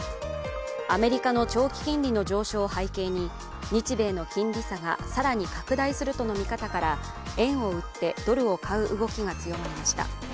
アメリカの長期金利の上昇を背景に日米の金利差が更に拡大するとの見方から円を売ってドルを買う動きが強まりました。